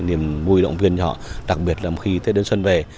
nhiềm vui động viên cho họ đặc biệt là khi tết đến xuân về